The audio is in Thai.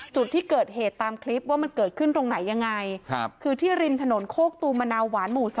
จุดที่เกิดเหตุตามคลิปว่ามันเกิดขึ้นตรงไหนยังไงคือที่ริมถนนโคกตูมมะนาวหวานหมู่๒